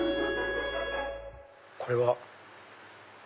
これは。